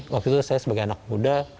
waktu itu saya sebagai anak muda